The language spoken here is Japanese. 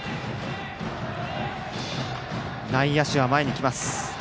内野手は前に来ます。